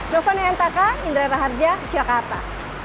novan eentaka indra yata harja jakarta